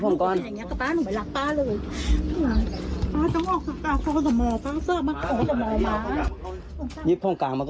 อันนี้อันน้อมกับป๊าก